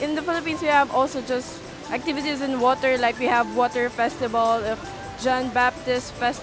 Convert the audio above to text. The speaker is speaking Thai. ในปลิปปินส์มีอุบัติภาระเณียดในหลังธรรม